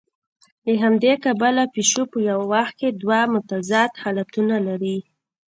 له همدې کبله پیشو په یوه وخت کې دوه متضاد حالتونه لري.